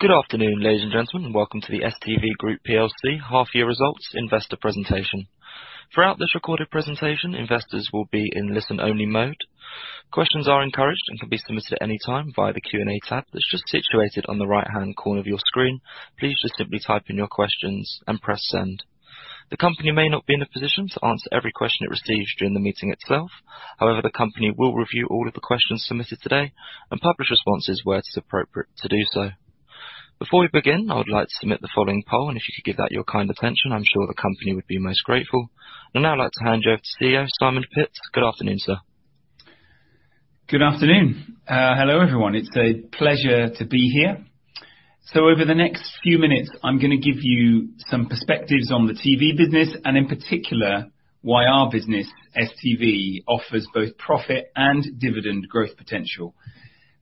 Good afternoon, ladies and gentlemen. Welcome to the STV Group plc half year results investor presentation. Throughout this recorded presentation, investors will be in listen-only mode. Questions are encouraged and can be submitted anytime via the Q&A tab that's just situated on the right-hand corner of your screen. Please just simply type in your questions and press send. The company may not be in a position to answer every question it receives during the meeting itself. However, the company will review all of the questions submitted today and publish responses where it is appropriate to do so. Before we begin, I would like to submit the following poll, and if you could give that your kind attention, I'm sure the company would be most grateful. I'd now like to hand you over to CEO, Simon Pitts. Good afternoon, sir. Good afternoon. Hello, everyone. It's a pleasure to be here. Over the next few minutes, I'm gonna give you some perspectives on the TV business, and in particular, why our business, STV, offers both profit and dividend growth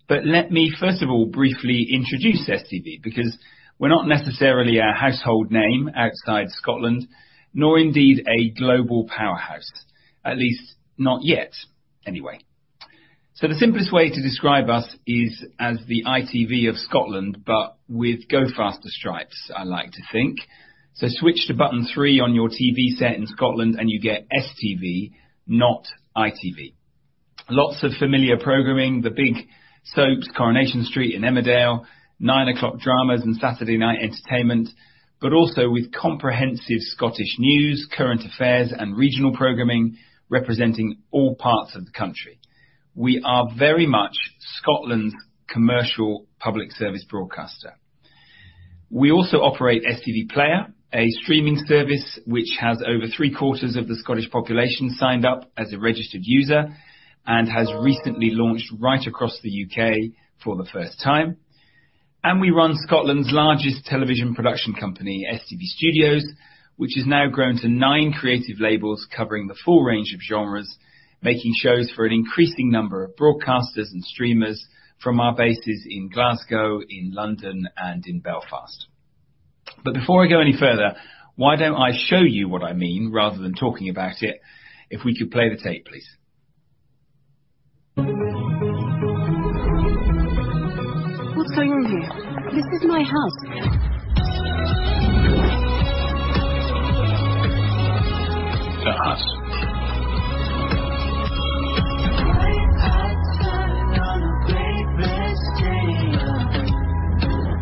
potential. Let me first of all briefly introduce STV, because we're not necessarily a household name outside Scotland, nor indeed a global powerhouse. At least not yet, anyway. The simplest way to describe us is as the ITV of Scotland, but with go-faster stripes, I like to think. Switch to button three on your TV set in Scotland and you get STV, not ITV. Lots of familiar programming. The big soaps, Coronation Street and Emmerdale, nine o'clock dramas and Saturday night entertainment, but also with comprehensive Scottish news, current affairs and regional programming representing all parts of the country. We are very much Scotland's commercial public service broadcaster. We also operate STV Player, a streaming service which has over three-quarters of the Scottish population signed up as a registered user and has recently launched right across the U.K. for the first time. We run Scotland's largest television production company, STV Studios, which has now grown to nine creative labels covering the full range of genres, making shows for an increasing number of broadcasters and streamers from our bases in Glasgow, in London and in Belfast. Before I go any further, why don't I show you what I mean rather than talking about it? If we could play the tape, please. What's going on here? This is my house. The house.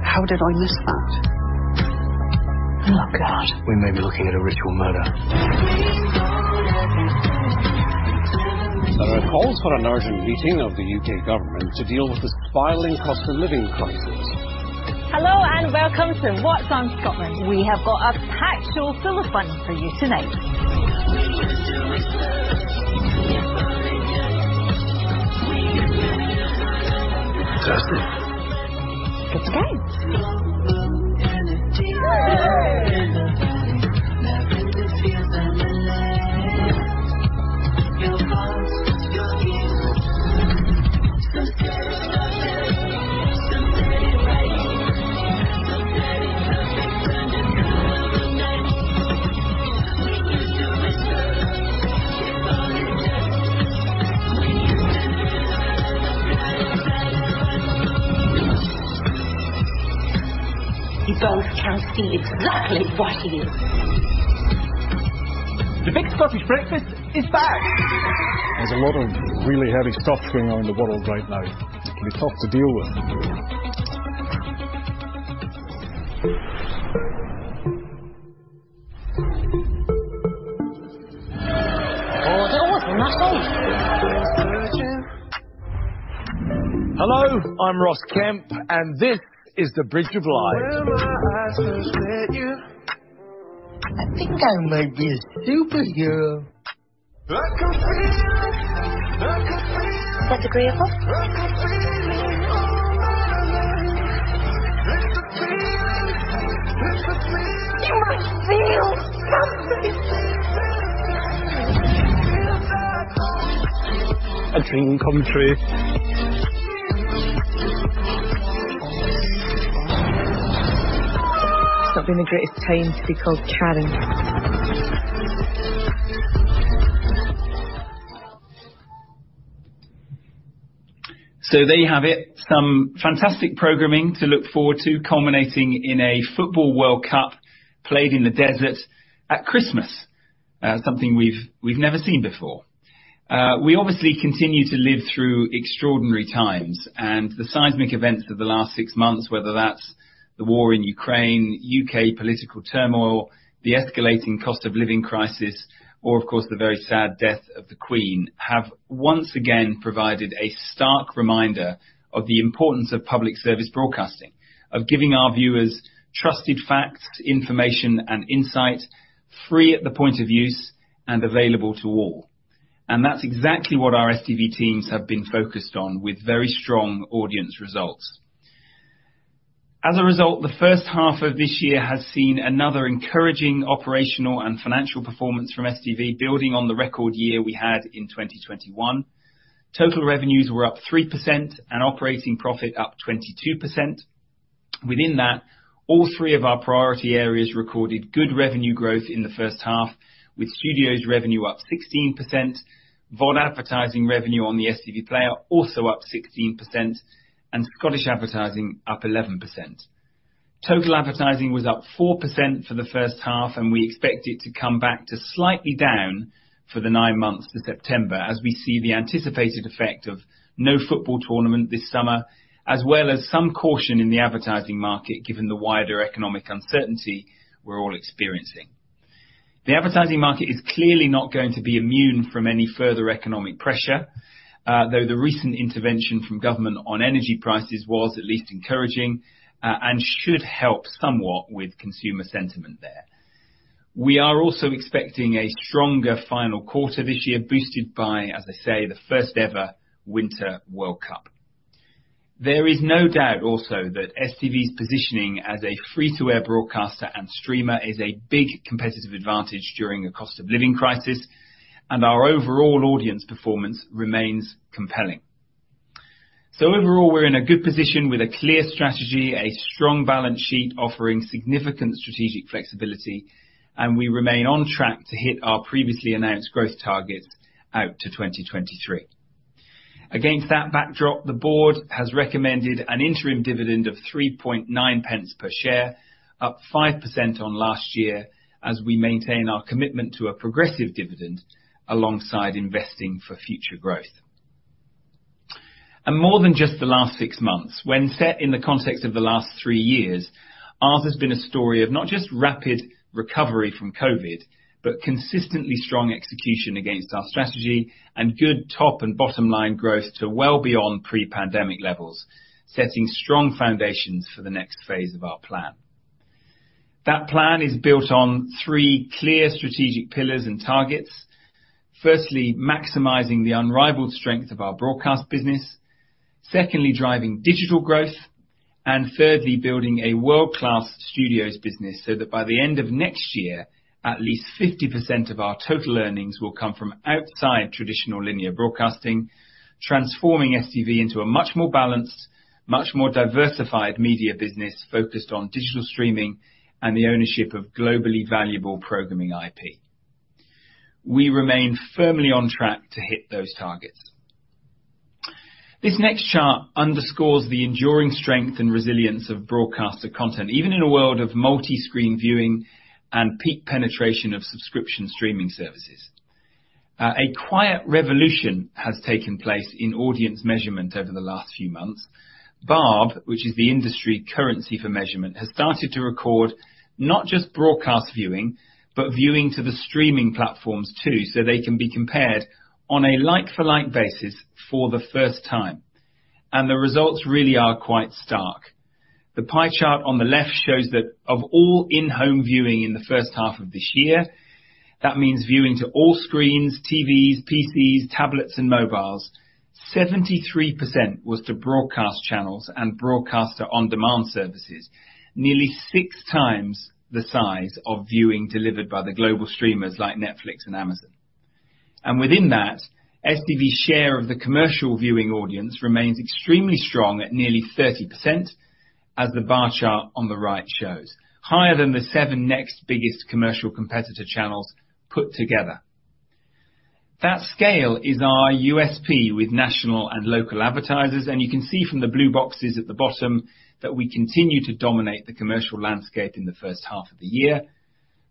How did I miss that? Oh, God. We may be looking at a ritual murder. It calls for an urgent meeting of the U.K. government to deal with the spiraling cost of living crisis. Hello, and welcome to What's On Scotland. We have got a packed show full of fun for you tonight. Fantastic. It's a date. The golf can see exactly what he is. The big Scottish breakfast is back. There's a lot of really heavy stuff going on in the world right now. It's tough to deal with. Oh, that was amazing. Hello, I'm Ross Kemp, and this is The Bridge of Lies. I think I might be a superhero. Is that agreeable? You are real. A dream come true. It's not been the greatest time to be called Charlie. So there you have it. Some fantastic programming to look forward to, culminating in a football World Cup played in the desert at Christmas. Something we've never seen before. We obviously continue to live through extraordinary times, and the seismic events of the last six months, whether that's the war in Ukraine, U.K. political turmoil, the escalating cost of living crisis, or of course, the very sad death of The Queen, have once again provided a stark reminder of the importance of public service broadcasting, of giving our viewers trusted facts, information, and insight, free at the point of use and available to all. That's exactly what our STV teams have been focused on with very strong audience results. As a result, the H1 of this year has seen another encouraging operational and financial performance from STV building on the record year we had in 2021. Total revenues were up 3% and operating profit up 22%. Within that, all three of our priority areas recorded good revenue growth in the H1, with Studios' revenue up 16%, VOD advertising revenue on the STV Player also up 16% and Scottish advertising up 11%. Total advertising was up 4% for the H1, and we expect it to come back to slightly down for the nine months to September, as we see the anticipated effect of no football tournament this summer, as well as some caution in the advertising market, given the wider economic uncertainty we're all experiencing. The advertising market is clearly not going to be immune from any further economic pressure. Though the recent intervention from government on energy prices was at least encouraging, and should help somewhat with consumer sentiment there. We are also expecting a stronger final quarter this year, boosted by, as I say, the first ever winter World Cup. There is no doubt also that STV's positioning as a free-to-air broadcaster and streamer is a big competitive advantage during a cost of living crisis, and our overall audience performance remains compelling. Overall, we're in a good position with a clear strategy, a strong balance sheet offering significant strategic flexibility, and we remain on track to hit our previously announced growth target out to 2023. Against that backdrop, the board has recommended an interim dividend of 3.9 pence per share, up 5% on last year, as we maintain our commitment to a progressive dividend alongside investing for future growth. More than just the last six months, when set in the context of the last three years, ours has been a story of not just rapid recovery from COVID, but consistently strong execution against our strategy and good top and bottom line growth to well beyond pre-pandemic levels, setting strong foundations for the next phase of our plan. That plan is built on three clear strategic pillars and targets. Firstly, maximizing the unrivaled strength of our broadcast business. Secondly, driving digital growth. And thirdly, building a world-class studios business so that by the end of next year, at least 50% of our total earnings will come from outside traditional linear broadcasting, transforming STV into a much more balanced, much more diversified media business focused on digital streaming and the ownership of globally valuable programming IP. We remain firmly on track to hit those targets. This next chart underscores the enduring strength and resilience of broadcaster content, even in a world of multiscreen viewing and peak penetration of subscription streaming services. A quiet revolution has taken place in audience measurement over the last few months. Barb, which is the industry currency for measurement, has started to record not just broadcast viewing, but viewing to the streaming platforms too, so they can be compared on a like for like basis for the first time. The results really are quite stark. The pie chart on the left shows that of all in-home viewing in the H1 of this year, that means viewing to all screens, TVs, PCs, tablets, and mobiles, 73% was to broadcast channels and broadcaster on-demand services, nearly 6x the size of viewing delivered by the global streamers like Netflix and Amazon. Within that, STV's share of the commercial viewing audience remains extremely strong at nearly 30%, as the bar chart on the right shows. Higher than the seven next biggest commercial competitor channels put together. That scale is our USP with national and local advertisers, and you can see from the blue boxes at the bottom that we continue to dominate the commercial landscape in the H1 of the year.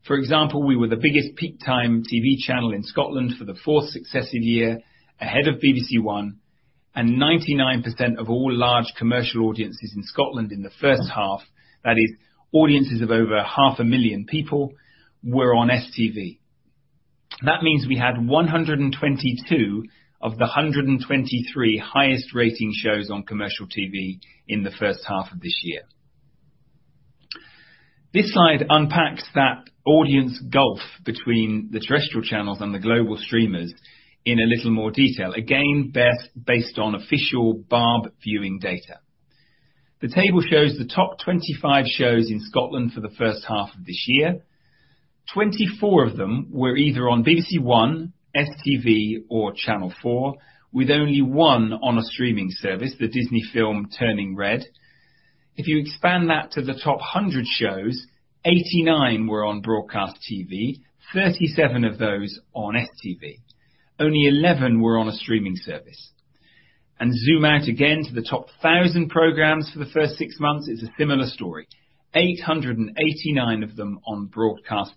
For example, we were the biggest peak time TV channel in Scotland for the fourth successive year, ahead of BBC One, and 99% of all large commercial audiences in Scotland in the H1, that is audiences of over 500,000 people, were on STV. That means we had 122 of the 123 highest rating shows on commercial TV in the H1 of this year. This slide unpacks that audience gulf between the terrestrial channels and the global streamers in a little more detail. Again, based on official Barb viewing data. The table shows the top 25 shows in Scotland for the H1 of this year. 24 of them were either on BBC One, STV or Channel 4, with only one on a streaming service, the Disney film, Turning Red. If you expand that to the top 100 shows, 89 were on broadcast TV, 37 of those on STV. Only 11 were on a streaming service. Zoom out again to the top 1,000 programs for the first six months, it's a similar story. 889 of them on broadcast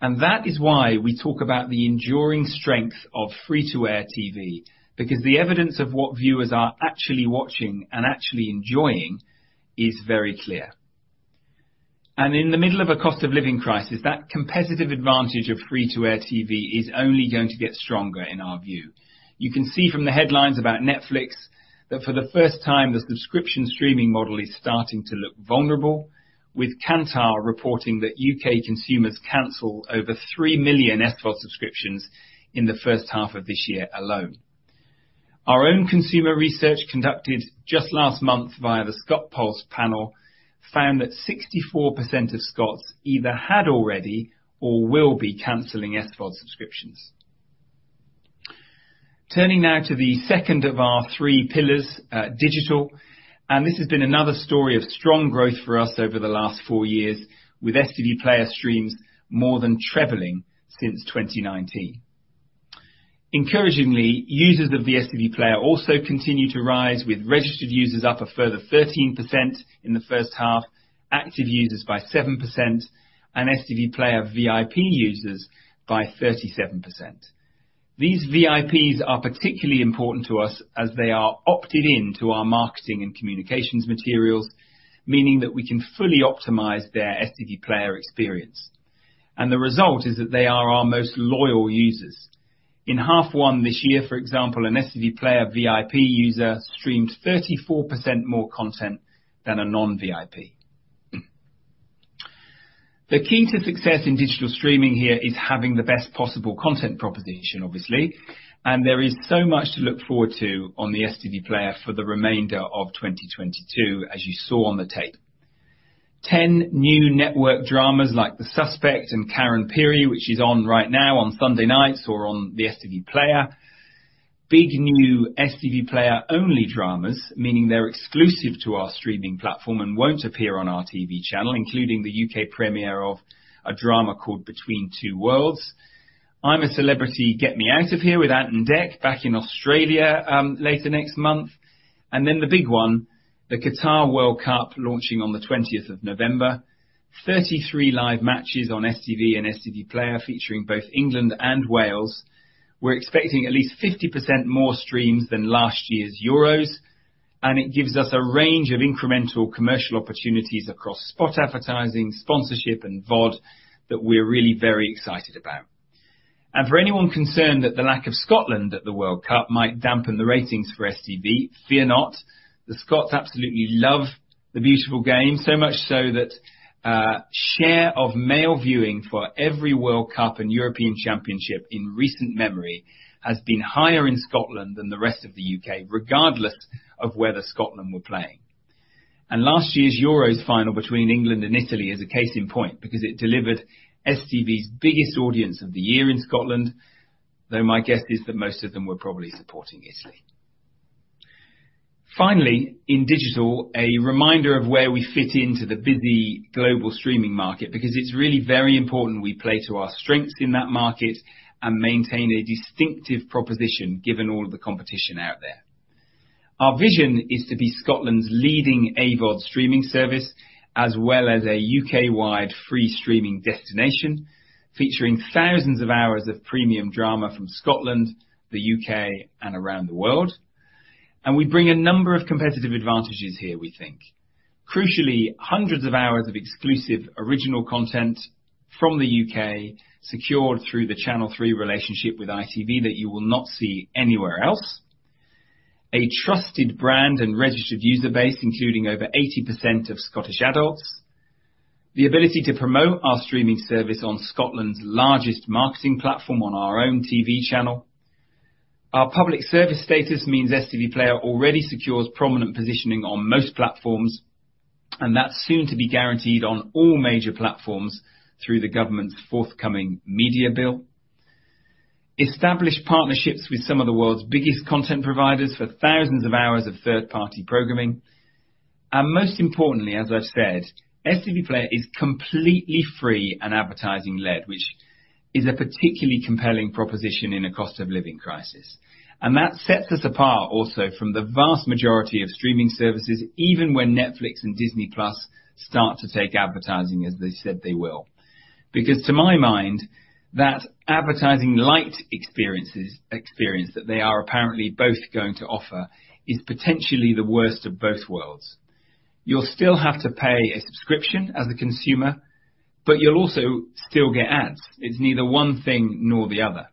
television. That is why we talk about the enduring strength of free-to-air TV, because the evidence of what viewers are actually watching and actually enjoying is very clear. In the middle of a cost of living crisis, that competitive advantage of free-to-air TV is only going to get stronger in our view. You can see from the headlines about Netflix that for the first time, the subscription streaming model is starting to look vulnerable, with Kantar reporting that U.K. consumers cancel over three million SVOD subscriptions in the H1 of this year alone. Our own consumer research conducted just last month via the ScotPulse panel found that 64% of Scots either had already or will be canceling SVOD subscriptions. Turning now to the second of our three pillars, digital. This has been another story of strong growth for us over the last four years, with STV Player streams more than trebling since 2019. Encouragingly, users of the STV Player also continue to rise, with registered users up a further 13% in the H1, active users by 7%, and STV Player VIP users by 37%. These VIPs are particularly important to us as they are opted in to our marketing and communications materials, meaning that we can fully optimize their STV Player experience, and the result is that they are our most loyal users. In half one this year, for example, an STV Player VIP user streamed 34% more content than a non-VIP. The key to success in digital streaming here is having the best possible content proposition, obviously, and there is so much to look forward to on the STV Player for the remainder of 2022, as you saw on the tape. 10 new network dramas like The Suspect and Karen Pirie, which is on right now on Sunday nights or on the STV Player. Big new STV Player-only dramas, meaning they're exclusive to our streaming platform and won't appear on our TV channel, including the U.K. premiere of a drama called Between Two Worlds. I'm a Celebrity...Get Me Out of Here! with Ant and Dec back in Australia later next month. The big one, the Qatar World Cup launching on the 20th of November. 33 live matches on STV and STV Player featuring both England and Wales. We're expecting at least 50% more streams than last year's Euros, and it gives us a range of incremental commercial opportunities across spot advertising, sponsorship, and VOD that we're really very excited about. For anyone concerned that the lack of Scotland at the World Cup might dampen the ratings for STV, fear not. The Scots absolutely love the beautiful game, so much so that share of male viewing for every World Cup and European Championship in recent memory has been higher in Scotland than the rest of the U.K., regardless of whether Scotland were playing. Last year's Euros final between England and Italy is a case in point because it delivered STV's biggest audience of the year in Scotland, though my guess is that most of them were probably supporting Italy. Finally, in digital, a reminder of where we fit into the busy global streaming market because it's really very important we play to our strengths in that market and maintain a distinctive proposition given all of the competition out there. Our vision is to be Scotland's leading AVOD streaming service as well as a U.K.-wide free streaming destination, featuring thousands of hours of premium drama from Scotland, the U.K., and around the world. We bring a number of competitive advantages here, we think. Crucially, hundreds of hours of exclusive original content from the U.K. secured through the Channel three relationship with ITV that you will not see anywhere else. A trusted brand and registered user base including over 80% of Scottish adults. The ability to promote our streaming service on Scotland's largest marketing platform on our own TV channel. Our public service status means STV Player already secures prominent positioning on most platforms, and that's soon to be guaranteed on all major platforms through the government's forthcoming Media Bill. Established partnerships with some of the world's biggest content providers for thousands of hours of third-party programming. Most importantly, as I've said, STV Player is completely free and advertising-led, which is a particularly compelling proposition in a cost of living crisis. That sets us apart also from the vast majority of streaming services, even when Netflix and Disney+ start to take advertising as they said they will. Because to my mind, that advertising-light experience that they are apparently both going to offer is potentially the worst of both worlds. You'll still have to pay a subscription as a consumer, but you'll also still get ads. It's neither one thing nor the other.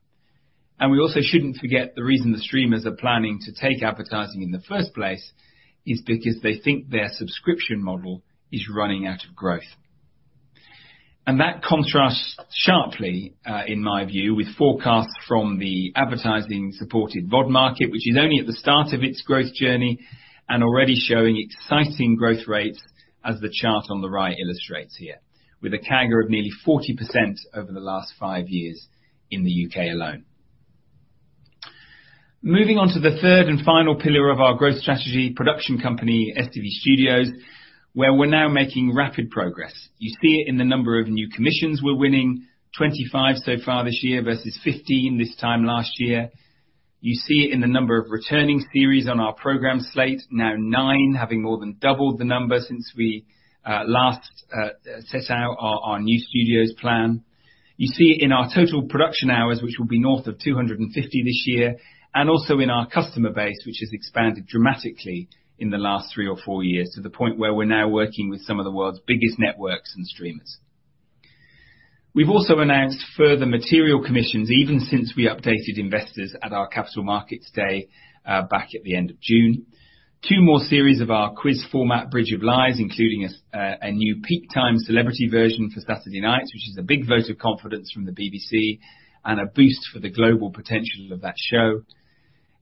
We also shouldn't forget the reason the streamers are planning to take advertising in the first place is because they think their subscription model is running out of growth. That contrasts sharply, in my view, with forecasts from the advertising-supported AVOD market, which is only at the start of its growth journey and already showing exciting growth rates as the chart on the right illustrates here. With a CAGR of nearly 40% over the last five years in the U.K. alone. Moving on to the third and final pillar of our growth strategy production company, STV Studios, where we're now making rapid progress. You see it in the number of new commissions we're winning, 25 so far this year versus 15 this time last year. You see it in the number of returning series on our program slate, now nine, having more than doubled the number since we last set out our new studios plan. You see it in our total production hours, which will be north of 250 this year, and also in our customer base, which has expanded dramatically in the last three or four years to the point where we're now working with some of the world's biggest networks and streamers. We've also announced further material commissions even since we updated investors at our Capital Markets Day, back at the end of June. Two more series of our quiz format, Bridge of Lies, including a new peak time celebrity version for Saturday nights, which is a big vote of confidence from the BBC and a boost for the global potential of that show.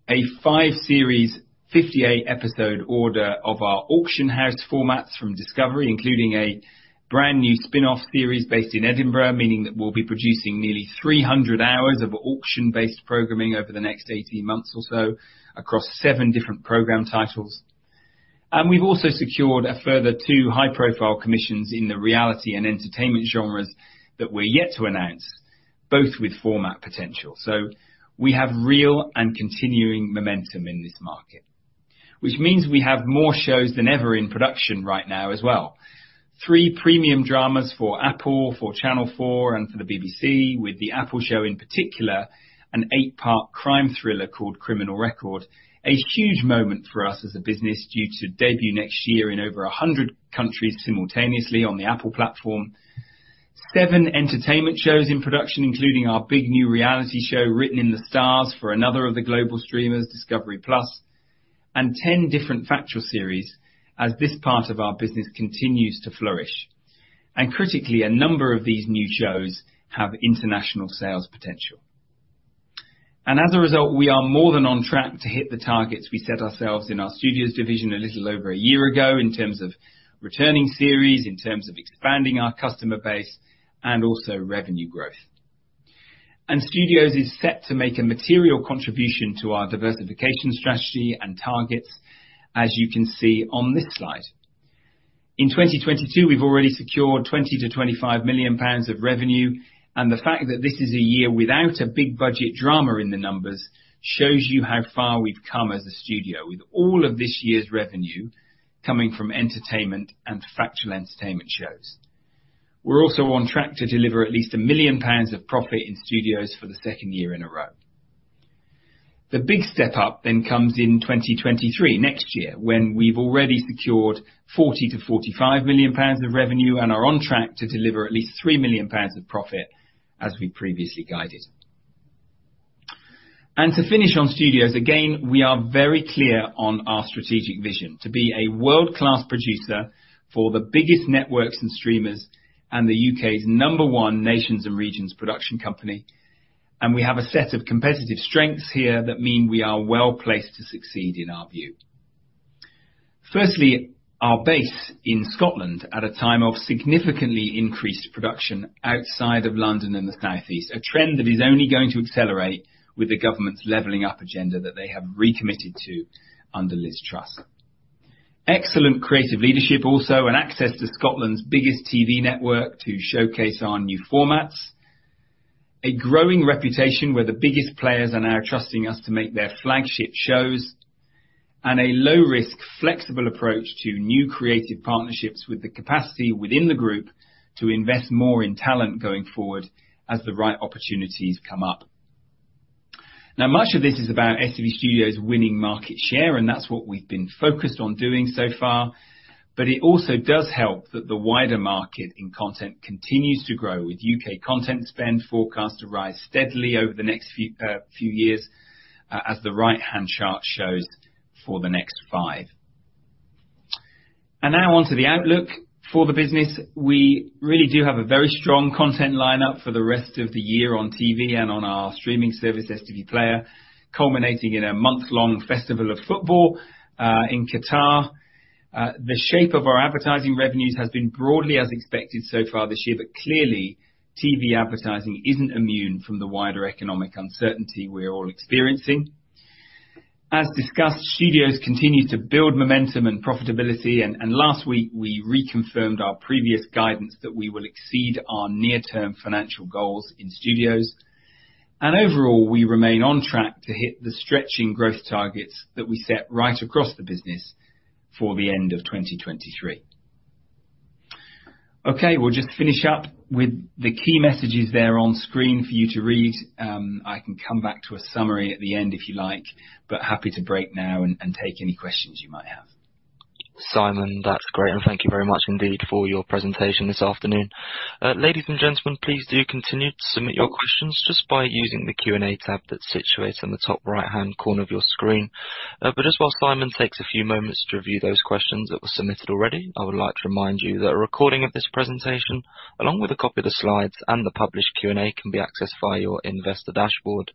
A five-series, 58-episode order of our Auction House formats from Discovery, including a brand new spin-off series based in Edinburgh, meaning that we'll be producing nearly 300 hours of auction-based programming over the next 18 months or so across seven different program titles. We've also secured a further two high-profile commissions in the reality and entertainment genres that we're yet to announce, both with format potential. We have real and continuing momentum in this market. Which means we have more shows than ever in production right now as well. Three premium dramas for Apple, for Channel four, and for the BBC, with the Apple show in particular, an eight-part crime thriller called Criminal Record. A huge moment for us as a business due to debut next year in over 100 countries simultaneously on the Apple platform. Seven entertainment shows in production, including our big new reality show, Written in the Stars, for another of the global streamers, discovery+, and 10 different factual series as this part of our business continues to flourish. Critically, a number of these new shows have international sales potential. As a result, we are more than on track to hit the targets we set ourselves in our studios division a little over a year ago in terms of returning series, in terms of expanding our customer base and also revenue growth. STV Studios is set to make a material contribution to our diversification strategy and targets, as you can see on this slide. In 2022, we've already secured 20 million-25 million pounds of revenue, and the fact that this is a year without a big budget drama in the numbers shows you how far we've come as a studio. With all of this year's revenue coming from entertainment and factual entertainment shows. We're also on track to deliver at least 1 million pounds of profit in STV Studios for the second year in a row. The big step up then comes in 2023, next year, when we've already secured 40 million-45 million pounds of revenue and are on track to deliver at least 3 million pounds of profit, as we previously guided. To finish on studios, again, we are very clear on our strategic vision: to be a world-class producer for the biggest networks and streamers, and the U.K.'s number one nations and regions production company. We have a set of competitive strengths here that mean we are well-placed to succeed in our view. Firstly, our base in Scotland at a time of significantly increased production outside of London and the South East, a trend that is only going to accelerate with the government's leveling up agenda that they have recommitted to under Liz Truss. Excellent creative leadership also, and access to Scotland's biggest TV network to showcase our new formats. A growing reputation where the biggest players are now trusting us to make their flagship shows. A low risk, flexible approach to new creative partnerships with the capacity within the group to invest more in talent going forward as the right opportunities come up. Now, much of this is about STV Studios winning market share, and that's what we've been focused on doing so far. It also does help that the wider market in content continues to grow with U.K. content spend forecast to rise steadily over the next few years, as the right-hand chart shows for the next five. Now on to the outlook for the business. We really do have a very strong content lineup for the rest of the year on TV and on our streaming service, STV Player, culminating in a month-long festival of football in Qatar. The shape of our advertising revenues has been broadly as expected so far this year, but clearly, TV advertising isn't immune from the wider economic uncertainty we're all experiencing. As discussed, studios continue to build momentum and profitability. Last week we reconfirmed our previous guidance that we will exceed our near-term financial goals in studios. Overall, we remain on track to hit the stretching growth targets that we set right across the business for the end of 2023. Okay, we'll just finish up with the key messages there on screen for you to read. I can come back to a summary at the end if you like, but happy to break now and take any questions you might have. Simon, that's great. Thank you very much indeed for your presentation this afternoon. Ladies and gentlemen, please do continue to submit your questions just by using the Q&A tab that's situated on the top right-hand corner of your screen. Just while Simon takes a few moments to review those questions that were submitted already, I would like to remind you that a recording of this presentation, along with a copy of the slides and the published Q&A, can be accessed via your investor dashboard.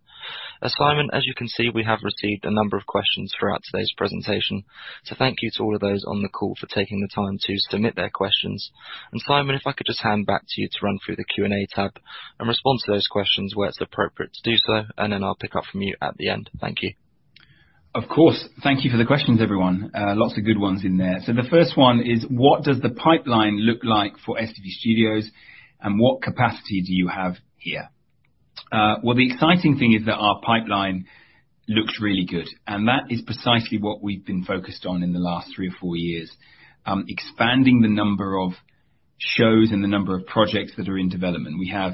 Simon, as you can see, we have received a number of questions throughout today's presentation, so thank you to all of those on the call for taking the time to submit their questions. Simon, if I could just hand back to you to run through the Q&A tab and respond to those questions where it's appropriate to do so, and then I'll pick up from you at the end. Thank you. Of course. Thank you for the questions, everyone. Lots of good ones in there. The first one is: What does the pipeline look like for STV Studios and what capacity do you have here? Well, the exciting thing is that our pipeline looks really good, and that is precisely what we've been focused on in the last three or four years, expanding the number of shows and the number of projects that are in development. We have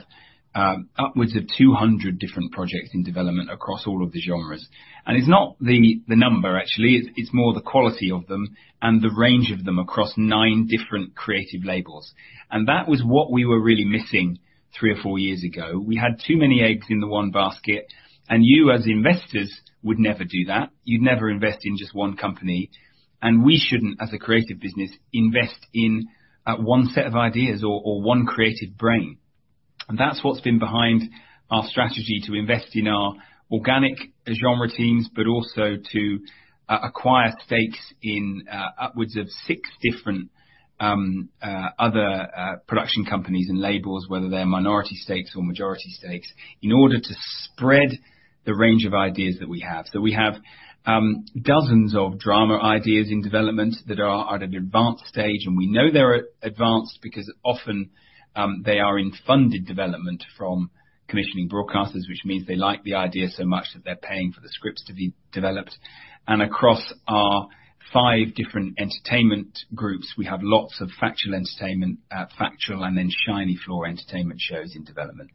upwards of 200 different projects in development across all of the genres. It's not the number, actually. It's more the quality of them and the range of them across nine different creative labels. That was what we were really missing three or four years ago. We had too many eggs in the one basket, and you as investors, would never do that. You'd never invest in just one company. We shouldn't, as a creative business, invest in one set of ideas or one creative brain. That's what's been behind our strategy to invest in our organic genre teams, but also to acquire stakes in upwards of six different other production companies and labels, whether they're minority stakes or majority stakes, in order to spread the range of ideas that we have. We have dozens of drama ideas in development that are at an advanced stage, and we know they're advanced because often they are in funded development from commissioning broadcasters, which means they like the idea so much that they're paying for the scripts to be developed. Across our five different entertainment groups, we have lots of factual entertainment, factual, and then shiny floor entertainment shows in development.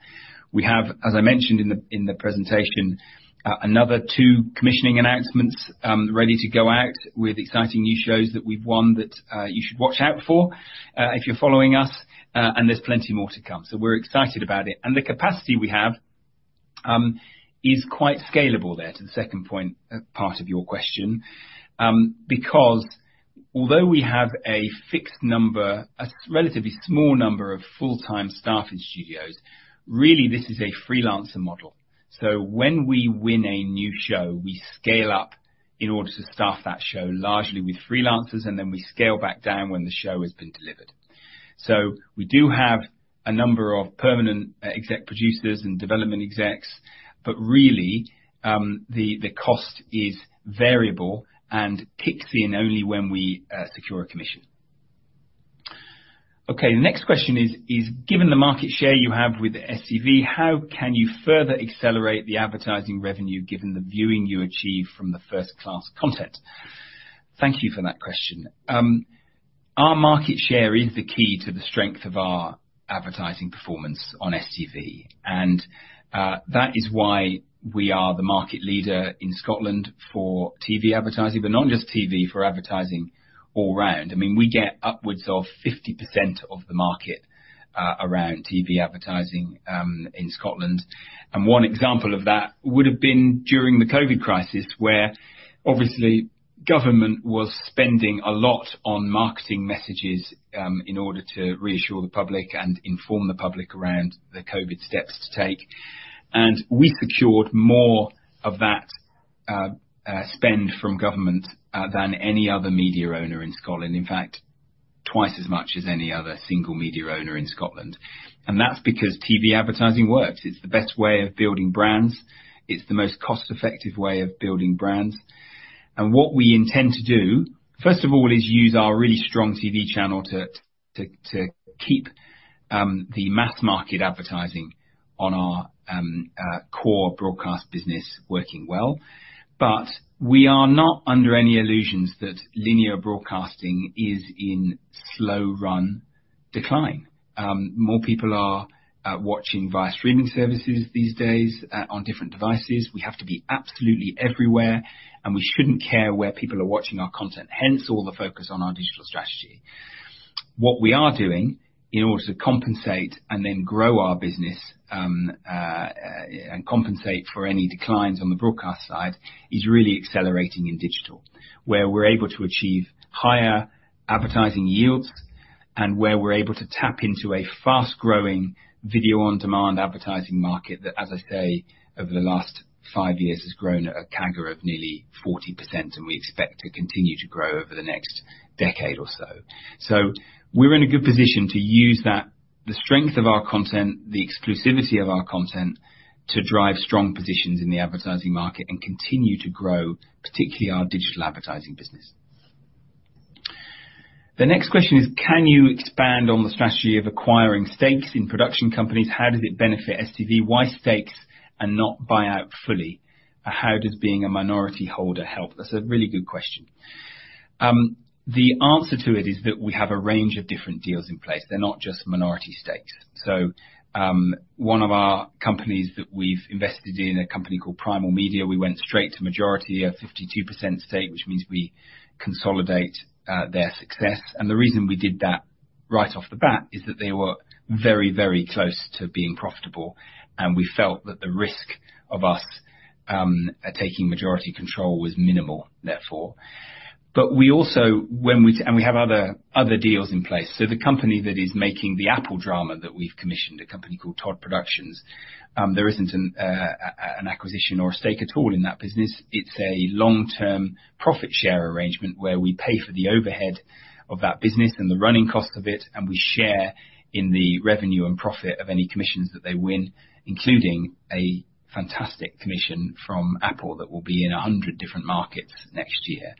We have, as I mentioned in the presentation, another two commissioning announcements ready to go out with exciting new shows that we've won that you should watch out for, if you're following us. There's plenty more to come. We're excited about it. The capacity we have is quite scalable there, to the second point, part of your question, because although we have a fixed number, a relatively small number of full-time staff in studios, really this is a freelancer model. When we win a new show, we scale up in order to staff that show largely with freelancers, and then we scale back down when the show has been delivered. We do have a number of permanent exec producers and development execs, but really, the cost is variable and kicks in only when we secure a commission. The next question is given the market share you have with STV, how can you further accelerate the advertising revenue given the viewing you achieve from the first-class content? Thank you for that question. Our market share is the key to the strength of our advertising performance on STV, and that is why we are the market leader in Scotland for TV advertising, but not just TV, for advertising all round. I mean, we get upwards of 50% of the market around TV advertising in Scotland. One example of that would have been during the COVID crisis, where obviously government was spending a lot on marketing messages in order to reassure the public and inform the public around the COVID steps to take. We secured more of that spend from government than any other media owner in Scotland. In fact, twice as much as any other single media owner in Scotland. That's because TV advertising works. It's the best way of building brands. It's the most cost-effective way of building brands. What we intend to do, first of all, is use our really strong TV channel to keep the mass market advertising on our core broadcast business working well. But we are not under any illusions that linear broadcasting is in long-run decline. More people are watching via streaming services these days on different devices. We have to be absolutely everywhere, and we shouldn't care where people are watching our content. Hence all the focus on our digital strategy. What we are doing in order to compensate and then grow our business and compensate for any declines on the broadcast side is really accelerating in digital, where we're able to achieve higher advertising yields and where we're able to tap into a fast-growing video on demand advertising market that, as I say, over the last five years has grown at a CAGR of nearly 40% and we expect to continue to grow over the next decade or so. We're in a good position to use that, the strength of our content, the exclusivity of our content to drive strong positions in the advertising market and continue to grow, particularly our digital advertising business. The next question is, can you expand on the strategy of acquiring stakes in production companies? How does it benefit STV? Why stakes and not buy out fully? How does being a minority holder help? That's a really good question. The answer to it is that we have a range of different deals in place. They're not just minority stakes. One of our companies that we've invested in, a company called Primal Media we went straight to majority, a 52% stake, which means we consolidate their success. The reason we did that right off the bat is that they were very, very close to being profitable, and we felt that the risk of us taking majority control was minimal, therefore. We also have other deals in place. The company that is making the Apple drama that we've commissioned, a company called Tod Productions, there isn't an acquisition or a stake at all in that business. It's a long-term profit share arrangement where we pay for the overhead of that business and the running cost of it, and we share in the revenue and profit of any commissions that they win, including a fantastic commission from Apple that will be in 100 different markets next year.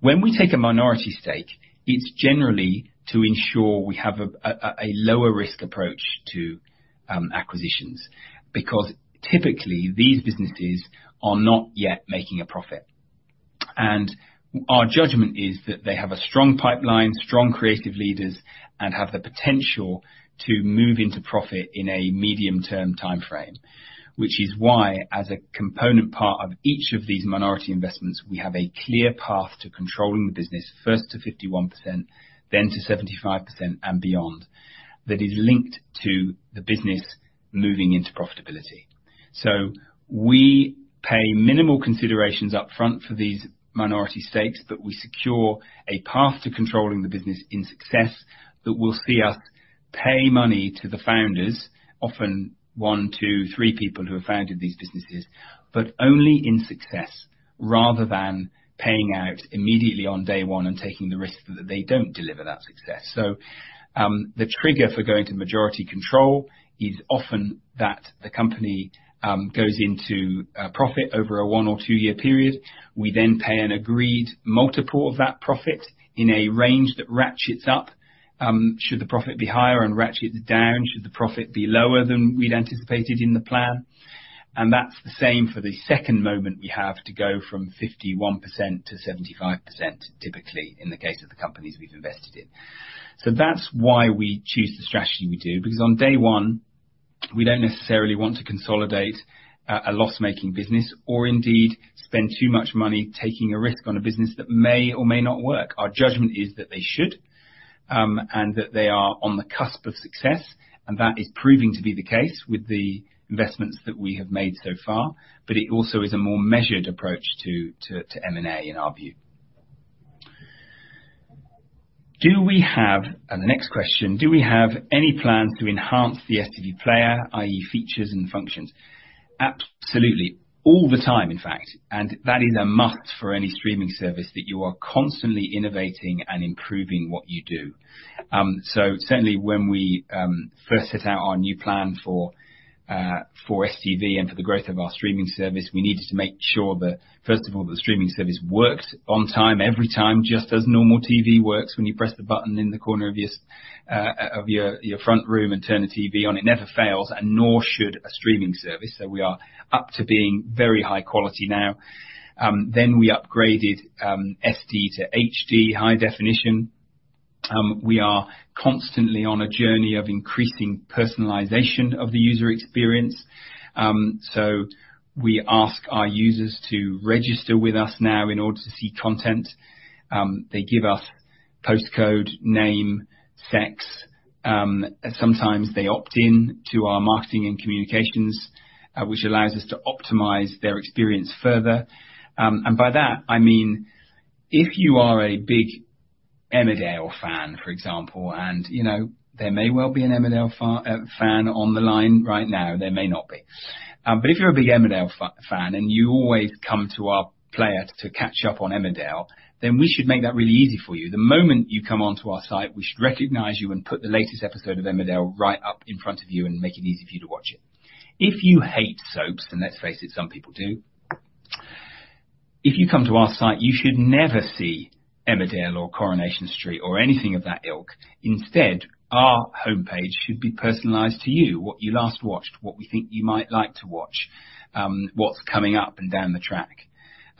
When we take a minority stake, it's generally to ensure we have a lower risk approach to acquisitions, because typically, these businesses are not yet making a profit. Our judgment is that they have a strong pipeline, strong creative leaders, and have the potential to move into profit in a medium-term timeframe. Which is why, as a component part of each of these minority investments, we have a clear path to controlling the business, first to 51%, then to 75% and beyond. That is linked to the business moving into profitability. We pay minimal considerations up front for these minority stakes, but we secure a path to controlling the business in success that will see us pay money to the founders, often one, two, three people who have founded these businesses, but only in success rather than paying out immediately on day one and taking the risk that they don't deliver that success. The trigger for going to majority control is often that the company goes into profit over a one- or two-year period. We then pay an agreed multiple of that profit in a range that ratchets up should the profit be higher and ratchets down should the profit be lower than we'd anticipated in the plan. That's the same for the second moment we have to go from 51% to 75%, typically in the case of the companies we've invested in. That's why we choose the strategy we do, because on day one, we don't necessarily want to consolidate a loss-making business or indeed spend too much money taking a risk on a business that may or may not work. Our judgment is that they should and that they are on the cusp of success. That is proving to be the case with the investments that we have made so far. It also is a more measured approach to M&A in our view. The next question, do we have any plans to enhance the STV Player, i.e. features and functions? Absolutely. All the time, in fact. That is a must for any streaming service that you are constantly innovating and improving what you do. Certainly when we first set out our new plan for STV and for the growth of our streaming service, we needed to make sure that first of all, the streaming service worked on time, every time, just as normal TV works when you press the button in the corner of your front room and turn the TV on. It never fails, and nor should a streaming service. We are up to being very high quality now. We upgraded SD to HD, high definition. We are constantly on a journey of increasing personalization of the user experience. We ask our users to register with us now in order to see content. They give us postcode, name, sex, sometimes they opt in to our marketing and communications, which allows us to optimize their experience further. By that I mean, if you are a big Emmerdale fan, for example, and you know there may well be an Emmerdale fan on the line right now, there may not be. If you're a big Emmerdale fan and you always come to our player to catch up on Emmerdale, then we should make that really easy for you. The moment you come onto our site, we should recognize you and put the latest episode of Emmerdale right up in front of you and make it easy for you to watch it. If you hate soaps, and let's face it, some people do. If you come to our site, you should never see Emmerdale or Coronation Street or anything of that ilk. Instead, our homepage should be personalized to you, what you last watched, what we think you might like to watch, what's coming up and down the track.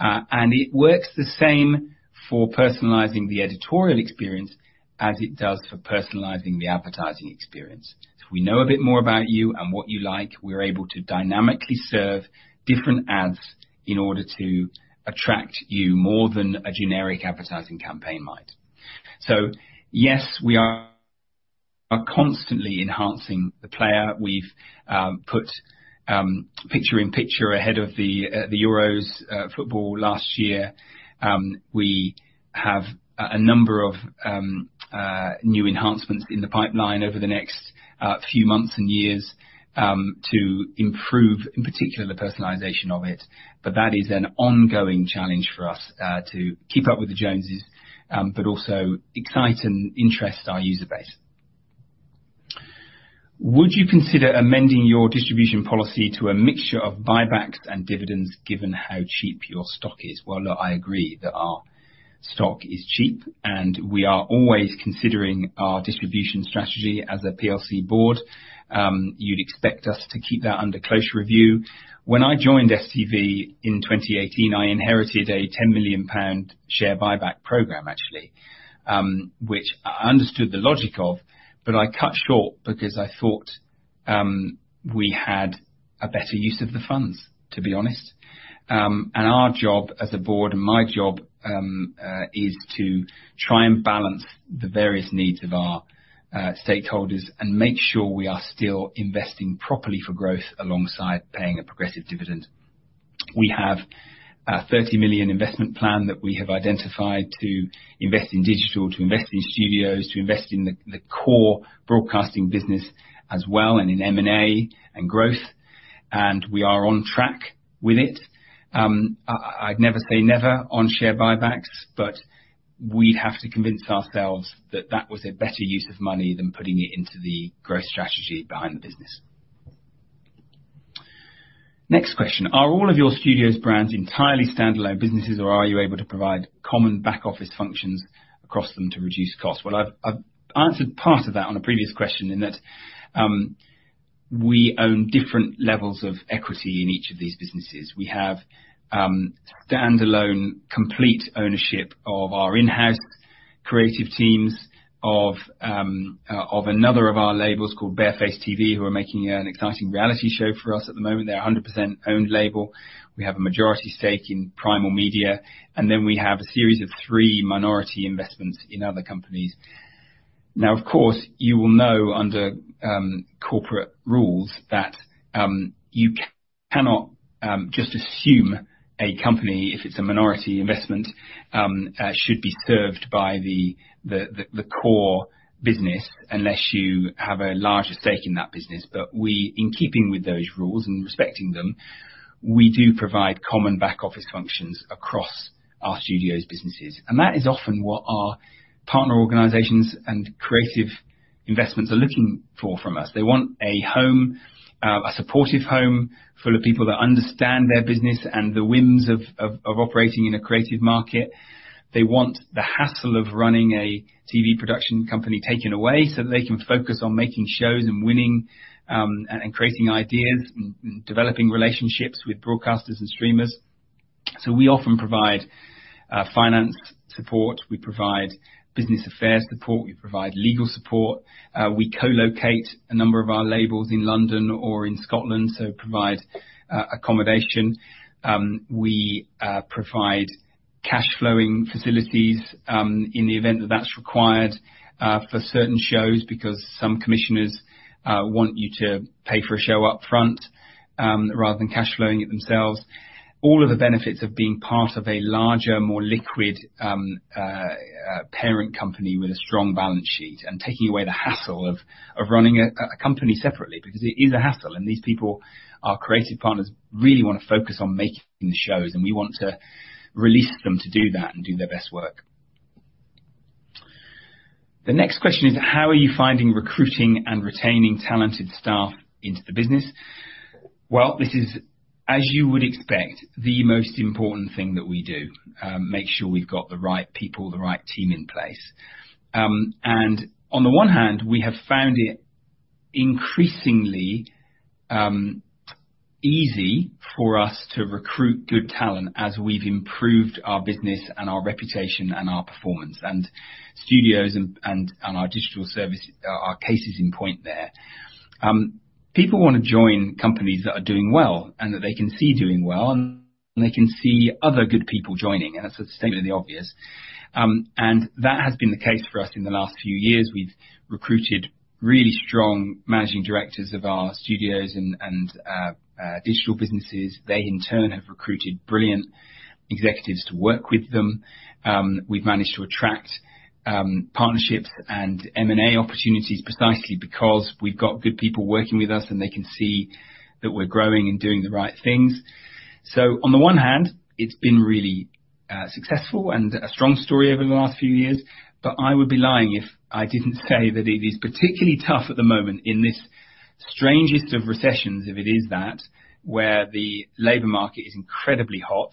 It works the same for personalizing the editorial experience as it does for personalizing the advertising experience. If we know a bit more about you and what you like, we're able to dynamically serve different ads in order to attract you more than a generic advertising campaign might. Yes, we are constantly enhancing the player. We've put picture-in-picture ahead of the Euros football last year. We have a number of new enhancements in the pipeline over the next few months and years to improve, in particular the personalization of it. That is an ongoing challenge for us, to keep up with the Joneses, but also excite and interest our user base. Would you consider amending your distribution policy to a mixture of buybacks and dividends given how cheap your stock is? Well, look, I agree that our stock is cheap, and we are always considering our distribution strategy as a PLC board. You'd expect us to keep that under close review. When I joined STV in 2018, I inherited a 10 million pound share buyback program actually, which I understood the logic of, but I cut short because I thought, we had a better use of the funds, to be honest. Our job as a board and my job is to try and balance the various needs of our stakeholders and make sure we are still investing properly for growth alongside paying a progressive dividend. We have a 30 million investment plan that we have identified to invest in digital, to invest in studios, to invest in the core broadcasting business as well, and in M&A and growth. We are on track with it. I'd never say never on share buybacks, but we'd have to convince ourselves that that was a better use of money than putting it into the growth strategy behind the business. Next question. Are all of your studios brands entirely standalone businesses, or are you able to provide common back-office functions across them to reduce costs? Well, I've answered part of that on a previous question in that we own different levels of equity in each of these businesses. We have standalone complete ownership of our in-house creative teams of another of our labels called Barefaced TV, who are making an exciting reality show for us at the moment. They're a 100% owned label. We have a majority stake in Primal Media, and then we have a series of three minority investments in other companies. Now, of course, you will know under corporate rules that you cannot just assume a company, if it's a minority investment, should be served by the core business unless you have a larger stake in that business. But in keeping with those rules and respecting them, we do provide common back-office functions across our studios businesses. That is often what our partner organizations and creative investments are looking for from us. They want a home, a supportive home full of people that understand their business and the whims of operating in a creative market. They want the hassle of running a TV production company taken away so that they can focus on making shows and winning and creating ideas and developing relationships with broadcasters and streamers. We often provide finance support. We provide business affairs support. We provide legal support. We co-locate a number of our labels in London or in Scotland, so provide accommodation. We provide cash flowing facilities in the event that that's required for certain shows, because some commissioners want you to pay for a show up front rather than cash flowing it themselves. All of the benefits of being part of a larger, more liquid, parent company with a strong balance sheet and taking away the hassle of running a company separately because it is a hassle. These people, our creative partners, really wanna focus on making the shows, and we want to release them to do that and do their best work. The next question is, how are you finding recruiting and retaining talented staff into the business? Well, this is, as you would expect, the most important thing that we do, make sure we've got the right people, the right team in place. On the one hand, we have found it increasingly easy for us to recruit good talent as we've improved our business and our reputation and our performance. Studios and our digital service are cases in point there. People wanna join companies that are doing well and that they can see doing well, and they can see other good people joining. That's a statement of the obvious. That has been the case for us in the last few years. We've recruited really strong managing directors of our studios and digital businesses. They in turn have recruited brilliant executives to work with them. We've managed to attract partnerships and M&A opportunities precisely because we've got good people working with us, and they can see that we're growing and doing the right things. On the one hand, it's been really successful and a strong story over the last few years. I would be lying if I didn't say that it is particularly tough at the moment in this strangest of recessions, if it is that, where the labor market is incredibly hot,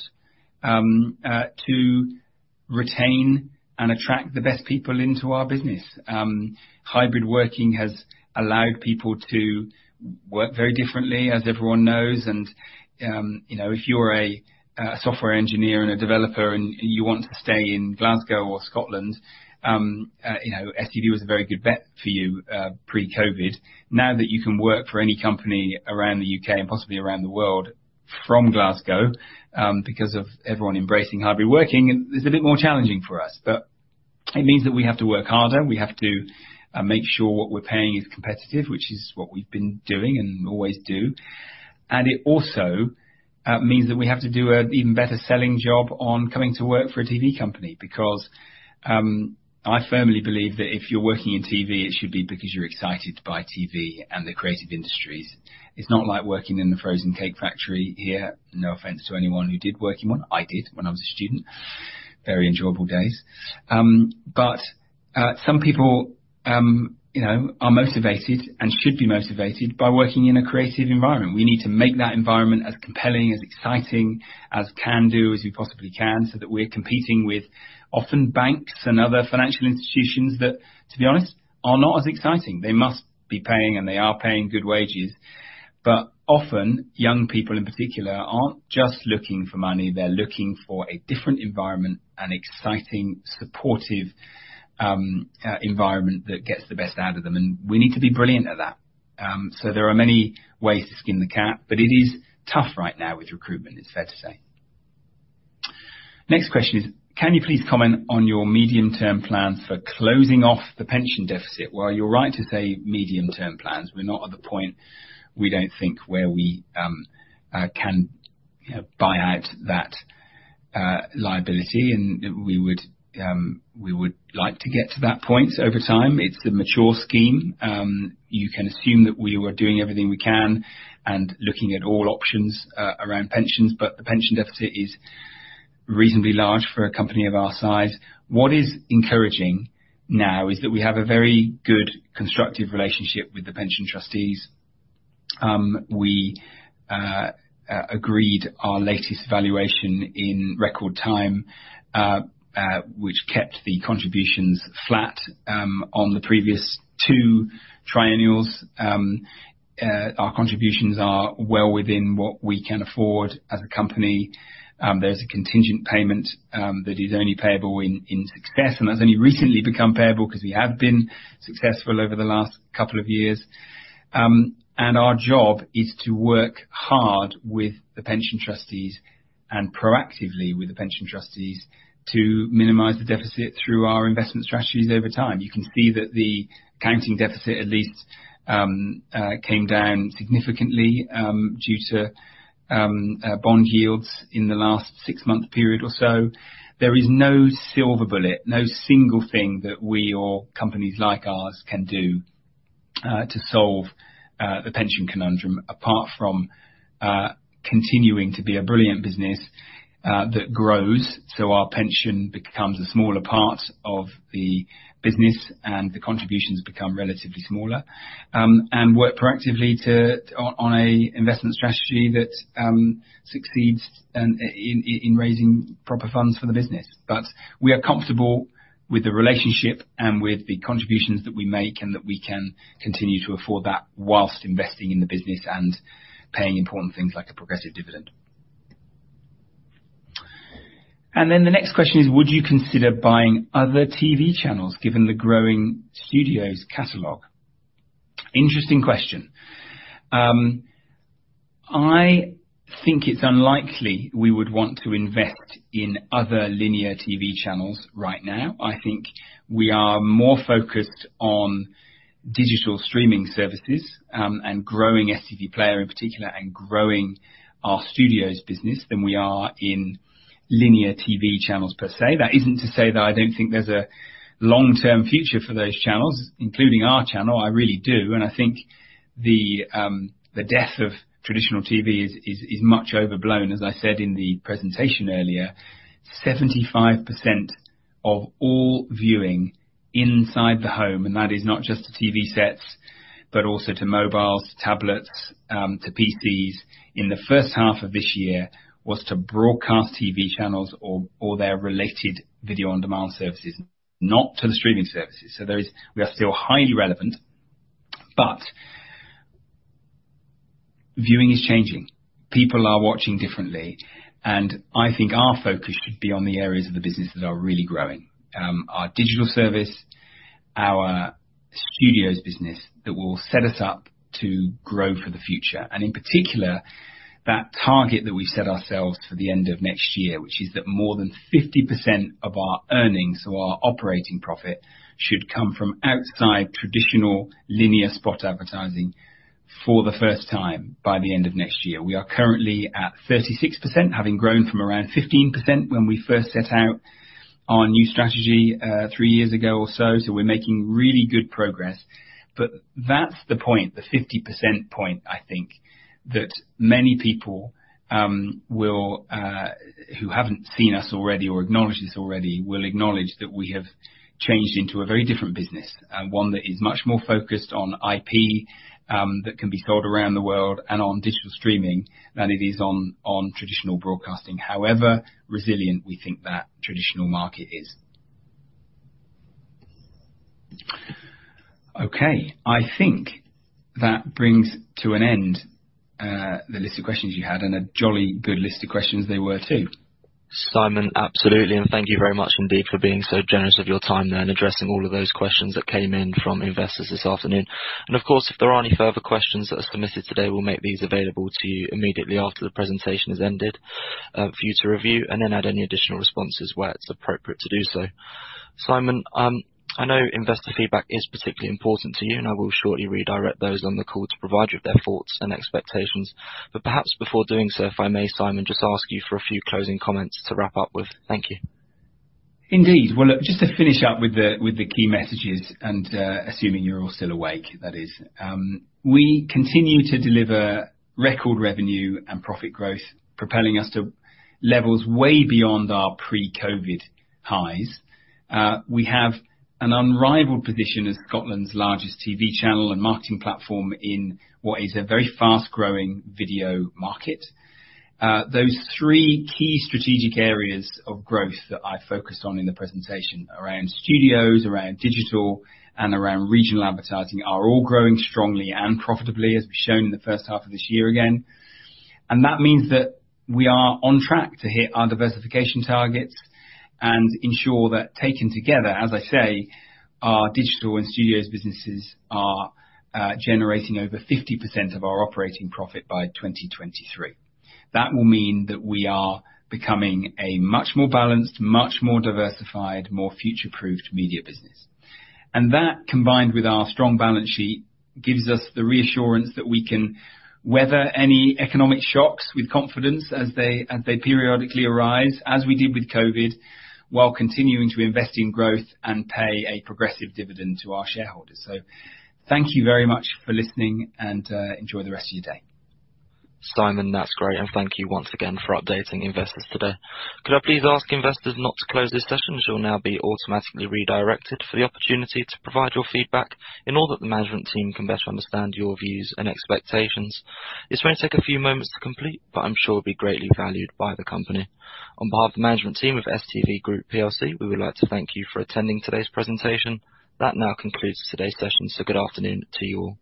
to retain and attract the best people into our business. Hybrid working has allowed people to work very differently, as everyone knows. You know, if you're a software engineer and a developer and you want to stay in Glasgow or Scotland, you know, STV was a very good bet for you, pre-COVID. Now that you can work for any company around the U.K. and possibly around the world from Glasgow, because of everyone embracing hybrid working, it's a bit more challenging for us. It means that we have to work harder. We have to make sure what we're paying is competitive, which is what we've been doing and always do. It also means that we have to do an even better selling job on coming to work for a TV company, because I firmly believe that if you're working in TV, it should be because you're excited by TV and the creative industries. It's not like working in the frozen cake factory here. No offense to anyone who did work in one. I did when I was a student. Very enjoyable days. Some people, you know, are motivated and should be motivated by working in a creative environment. We need to make that environment as compelling, as exciting, as can do as we possibly can, so that we're competing with often banks and other financial institutions that, to be honest, are not as exciting. They must be paying, and they are paying good wages. But often, young people in particular aren't just looking for money, they're looking for a different environment, an exciting, supportive, environment that gets the best out of them. We need to be brilliant at that. There are many ways to skin the cat, but it is tough right now with recruitment, it's fair to say. Next question is, can you please comment on your medium-term plan for closing off the pension deficit? Well, you're right to say medium-term plans. We're not at the point we don't think where we can, you know, buy out that liability, and we would like to get to that point over time. It's a mature scheme. You can assume that we are doing everything we can and looking at all options around pensions, but the pension deficit is reasonably large for a company of our size. What is encouraging now is that we have a very good constructive relationship with the pension trustees. We agreed our latest valuation in record time, which kept the contributions flat on the previous two triennials. Our contributions are well within what we can afford as a company. There's a contingent payment that is only payable in success, and that's only recently become payable because we have been successful over the last couple of years. Our job is to work hard with the pension trustees and proactively with the pension trustees to minimize the deficit through our investment strategies over time. You can see that the accounting deficit at least came down significantly due to bond yields in the last six-month period or so. There is no silver bullet, no single thing that we or companies like ours can do to solve the pension conundrum, apart from continuing to be a brilliant business that grows, so our pension becomes a smaller part of the business and the contributions become relatively smaller. Work proactively on an investment strategy that succeeds in raising proper funds for the business. We are comfortable with the relationship and with the contributions that we make, and that we can continue to afford that while investing in the business and paying important things like a progressive dividend. The next question is: Would you consider buying other TV channels given the growing Studio's catalog? Interesting question. I think it's unlikely we would want to invest in other linear TV channels right now. I think we are more focused on digital streaming services, and growing STV Player in particular, and growing our Studios business than we are in linear TV channels per se. That isn't to say that I don't think there's a long-term future for those channels, including our channel. I really do. I think the death of traditional TV is much overblown. As I said in the presentation earlier, 75% of all viewing inside the home, and that is not just to TV sets, but also to mobiles, tablets, to PCs in the H1 of this year was to broadcast TV channels or their related video on demand services, not to the streaming services. So there is. We are still highly relevant. But viewing is changing. People are watching differently. I think our focus should be on the areas of the business that are really growing. Our digital service, our studios business that will set us up to grow for the future. In particular, that target that we set ourselves for the end of next year, which is that more than 50% of our earnings or our operating profit should come from outside traditional linear spot advertising for the first time by the end of next year. We are currently at 36%, having grown from around 15% when we first set out our new strategy three years ago or so. We're making really good progress. That's the point, the 50% point, I think, that many people who haven't seen us already or acknowledge this already will acknowledge that we have changed into a very different business. One that is much more focused on IP that can be sold around the world and on digital streaming than it is on traditional broadcasting. However resilient we think that traditional market is. Okay, I think that brings to an end, the list of questions you had, and a jolly good list of questions they were too. Simon, absolutely. Thank you very much indeed for being so generous with your time there and addressing all of those questions that came in from investors this afternoon. Of course, if there are any further questions that are submitted today, we'll make these available to you immediately after the presentation has ended, for you to review and then add any additional responses where it's appropriate to do so. Simon, I know investor feedback is particularly important to you, and I will shortly redirect those on the call to provide you with their thoughts and expectations. Perhaps before doing so, if I may, Simon, just ask you for a few closing comments to wrap up with. Thank you. Indeed. Well, look, just to finish up with the key messages and assuming you're all still awake that is. We continue to deliver record revenue and profit growth, propelling us to levels way beyond our pre-COVID highs. We have an unrivaled position as Scotland's largest TV channel and marketing platform in what is a very fast-growing video market. Those three key strategic areas of growth that I focused on in the presentation around studios, around digital, and around regional advertising are all growing strongly and profitably, as we've shown in the H1 of this year again. That means that we are on track to hit our diversification targets and ensure that taken together, as I say, our digital and studios businesses are generating over 50% of our operating profit by 2023. That will mean that we are becoming a much more balanced, much more diversified, more future-proofed media business. That, combined with our strong balance sheet, gives us the reassurance that we can weather any economic shocks with confidence as they periodically arise, as we did with COVID, while continuing to invest in growth and pay a progressive dividend to our shareholders. Thank you very much for listening and enjoy the rest of your day. Simon, that's great. Thank you once again for updating investors today. Could I please ask investors not to close this session, as you'll now be automatically redirected for the opportunity to provide your feedback in order that the management team can best understand your views and expectations. It's going to take a few moments to complete, but I'm sure it'll be greatly valued by the company. On behalf of the management team of STV Group plc, we would like to thank you for attending today's presentation. That now concludes today's session, so good afternoon to you all.